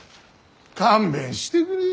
勘弁してくれ。